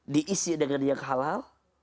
diisi dengan yang halal